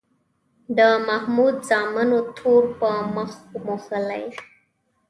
د محمود زامنو تور په مخ موښلی.